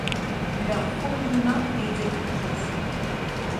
Leur fourmillement indigne presque.